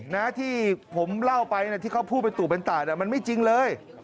นะที่ผมเล่าไปที่เขาพูดเป็นตู่เป็นตาดมันไม่จริงเลย